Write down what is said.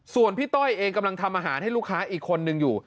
ส่วนพี่ต้อยเองกำลังทำอาหารให้ลูกค้าอีกคนนึงอยู่